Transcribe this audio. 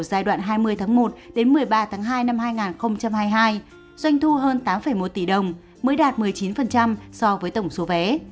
giai đoạn hai mươi một một mươi ba hai hai nghìn hai mươi hai doanh thu hơn tám một tỷ đồng mới đạt một mươi chín so với tổng số vé